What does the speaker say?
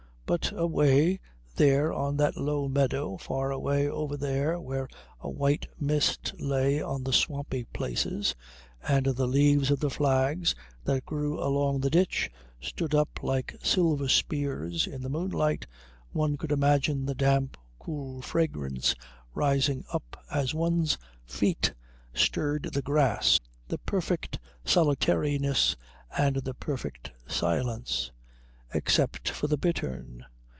But away there on that low meadow, far away over there where a white mist lay on the swampy places and the leaves of the flags that grew along the ditch stood up like silver spears in the moonlight, one could imagine the damp cool fragrance rising up as one's feet stirred the grass, the perfect solitariness and the perfect silence. Except for the bittern.